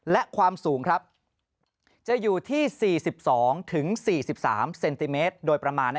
และความสูงครับจะอยู่ที่๔๒๔๓เซนติเมตรโดยประมาณ